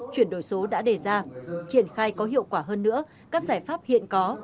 chuyển đổi số đã đề ra triển khai có hiệu quả hơn nữa các giải pháp hiện có